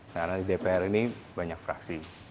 karena di dpr ini banyak fraksi